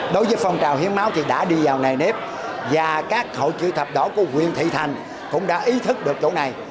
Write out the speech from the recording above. đối với phong trào hiến máu thì đã đi vào nề nếp và các hội chữ thập đỏ của quyện thị thành cũng đã ý thức được chỗ này